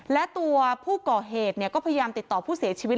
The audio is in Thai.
และตัวผู้ก่อเหตุก็พยายามติดต่อผู้เสียชีวิต